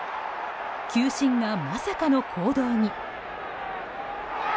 球審がまさかの行動に。